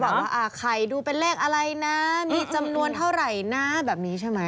ว่าใครดูเป็นเลขอะไรนะมีจำนวนเท่าไหร่นะแบบนี้ใช่ไหม